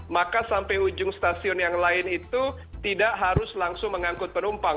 maka sampai ujung stasiun yang lain itu tidak harus langsung mengangkut penumpang